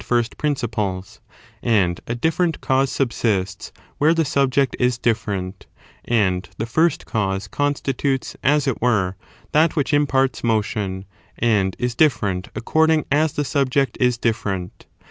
first principles ; and a different cause subsists where the subject ,is different, and the first cause constitutes, as it were, that which imparts motion, and is different according as the sub ject is different.